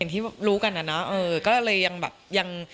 อย่างที่รู้กันน่ะเออก็เลยยังแบบยัง